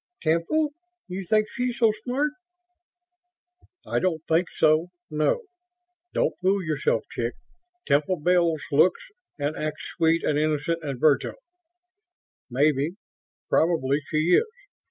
"Temple? You think she's so smart?" "I don't think so, no. Don't fool yourself, chick. Temple Bells looks and acts sweet and innocent and virginal. Maybe probably she is.